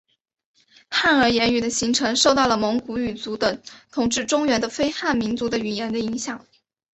汉儿言语的形成受到了蒙古语族等统治中原的非汉民族的语言的影响。